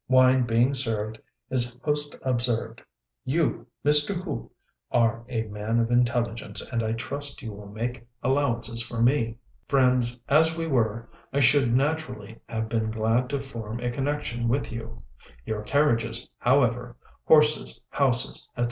Wine being served, his host observed, "You, Mr. Hu, are a man of intelligence, and I trust you will make allowances for me. Friends as we were, I should naturally have been glad to form a connection with you; your carriages, however, horses, houses, etc.